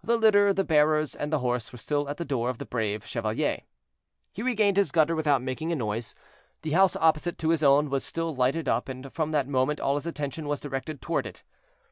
The litter, the bearers, and the horse were still at the door of the "Brave Chevalier." He regained his gutter without making a noise. The house opposite to his own was still lighted up, and from that moment all his attention was directed toward it.